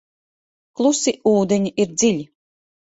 Klusi ūdeņi ir dziļi.